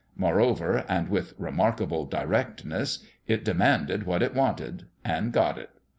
Moreover and with remarkable directness it demanded what it wanted and got it.